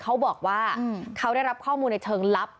เขาบอกว่าเขาได้รับข้อมูลในเชิงลับ